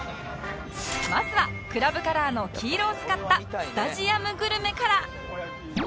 まずはクラブカラーの黄色を使ったスタジアムグルメから